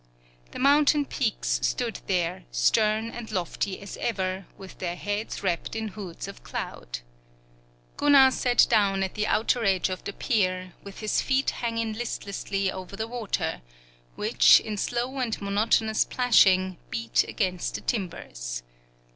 The mountain peaks stood there, stern and lofty as ever, with their heads wrapped in hoods of cloud. Gunnar sat down at the outer edge of the pier, with his feet hanging listlessly over the water, which, in slow and monotonous plashing, beat against the timbers.